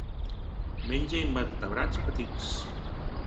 Menja invertebrats petits.